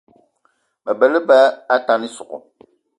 Mabe á lebá atane ísogò